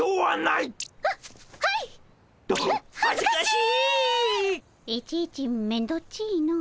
いちいちめんどっちの。